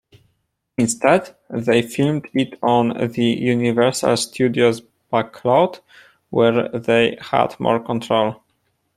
Instead they filmed it on the Universal Studios backlot, where they had more control.